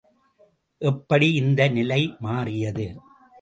எப்படி இந்த நிலை மாறியது?